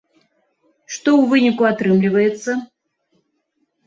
Што ў выніку атрымліваецца?